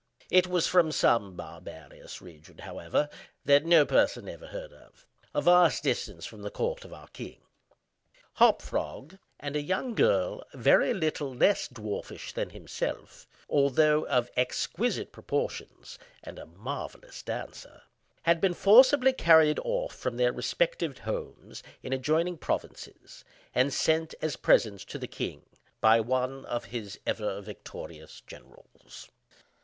It was from some barbarous region, however, that no person ever heard of—a vast distance from the court of our king. Hop Frog, and a young girl very little less dwarfish than himself (although of exquisite proportions, and a marvellous dancer), had been forcibly carried off from their respective homes in adjoining provinces, and sent as presents to the king, by one of his ever victorious generals.